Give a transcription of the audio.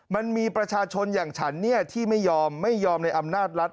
มันมีประชาชนอย่างฉันที่ไม่ยอมไม่ยอมในอำนาจรัฐ